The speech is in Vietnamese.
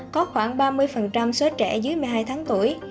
có khoảng ba mươi số trẻ dưới một mươi hai tháng tuổi